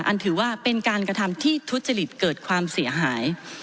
ถือว่าเป็นการกระทำที่ทุจริตเกิดความเสียหาย